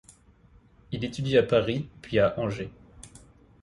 Il étudie à Paris puis à Angers.